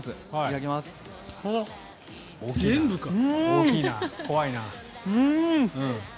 大きいな、怖いな。